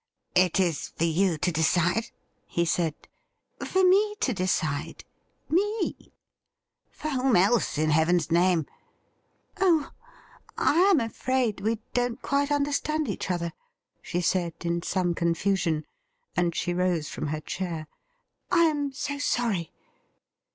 ' It is for you to decide .?' he said. ' For me to decide — ^me !'' For whom else, in Heaven's name .?'' Oh ! I am afraid we don't quite understand each other,' she said, in some confusion ; and she rose from her chair. ' I am so sorry